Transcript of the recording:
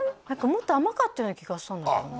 もっと甘かったような気がしたんだけどな